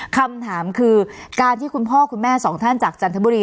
คำถามคือการที่คุณพ่อคุณแม่สองท่านจากจันทบุรี